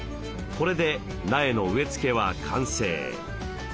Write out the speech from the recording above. これで苗の植え付けは完成。